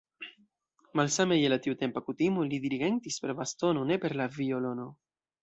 Malsame je la tiutempa kutimo, li dirigentis per bastono, ne per la violono.